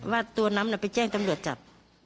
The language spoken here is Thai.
ว่าตัวนั้นไปแจ้งตำรวจจับ